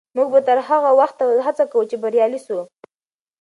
موږ به تر هغه وخته هڅه کوو چې بریالي سو.